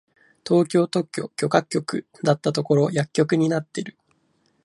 東京特許許可局だったところ薬局になってる！